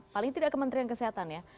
paling tidak kementerian kesehatan ya